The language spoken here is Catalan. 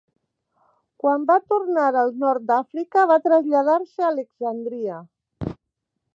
Quan va tornar al Nord d'Àfrica va traslladar-se a Alexandria.